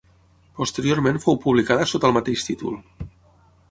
Posteriorment fou publicada sota el mateix títol.